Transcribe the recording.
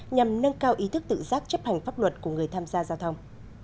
nhằm nâng cao ý thức tự giác chấp hành pháp luật của người tham gia giao thông